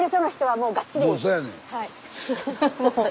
もうそうやねん。